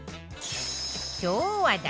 超話題！